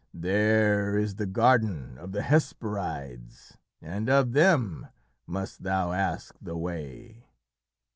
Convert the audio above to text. There is the Garden of the Hesperides, and of them must thou ask the way."